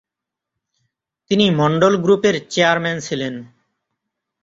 তিনি মন্ডল গ্রুপের চেয়ারম্যান ছিলেন।